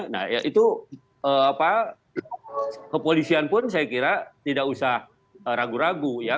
nah itu kepolisian pun saya kira tidak usah ragu ragu ya